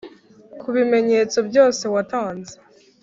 kubimenyetso byose watanze,